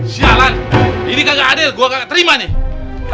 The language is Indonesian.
sialan ini kagak ada gua nggak terima nih